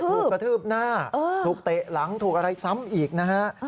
ถูกกระทืบหน้าถูกเตะหลังถูกอะไรซ้ำอีกนะฮะ